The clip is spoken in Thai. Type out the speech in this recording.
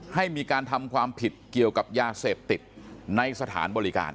ให้มีการทำความผิดเกี่ยวกับยาเสพติดในสถานบริการ